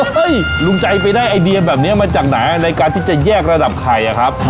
ลุงใจไปได้ไอเดียแบบนี้มาจากไหนในการที่จะแยกระดับไข่อะครับ